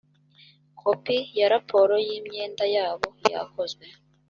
kopi ya raporo y imyenda yabo yakozwe